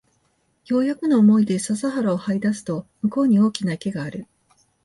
ようやくの思いで笹原を這い出すと向こうに大きな池がある